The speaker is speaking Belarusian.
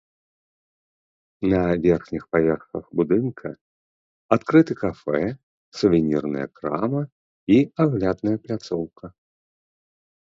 На верхніх паверхах будынка адкрыты кафэ, сувенірная крама і аглядная пляцоўка.